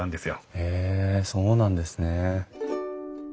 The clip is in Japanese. へえそうなんですね。